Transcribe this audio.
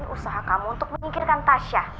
aku berusaha kamu untuk menginginkan tasya